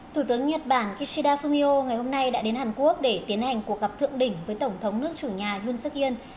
tủ tướng nhật bản kishida fumio ngày hôm nay đã đến hàn quốc để tiến hành cuộc gặp thượng đỉnh với tổng thống nước chủ nhà yun suk yên